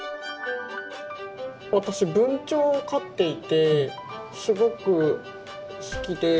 私文鳥を飼っていてすごく好きで。